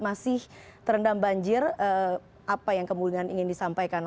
masih terendam banjir apa yang kemudian ingin disampaikan